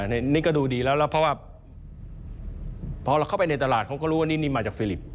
แล้วก็ดูดีแล้วเพราะว่าพอเข้าไปในตลาดเขารู้ว่านี่นี่มาจากฟิลิป